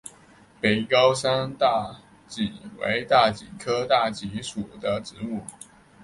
北高山大戟为大戟科大戟属的植物。